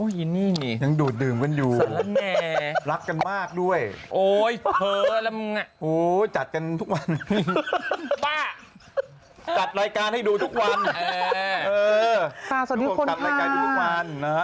ยังดูดดื่มกันอยู่รักกันมากด้วยจัดกันทุกวันจัดรายการให้ดูทุกวัน